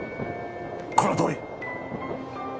このとおり。